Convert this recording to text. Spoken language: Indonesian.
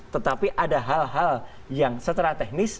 tetapi ada hal hal yang secara teknis